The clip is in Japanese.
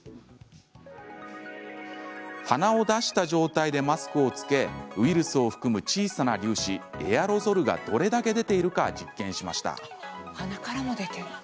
鼻を出した状態でマスクを着けウイルスを含む小さな粒子エアロゾルがどれだけ出ているか実験しました。